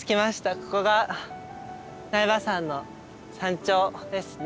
ここが苗場山の山頂ですね。